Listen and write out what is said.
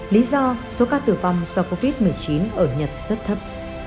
lý do số ca tử vong do covid một mươi chín ở nhật rất thấp